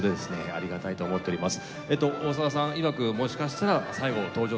ありがたいと思っております。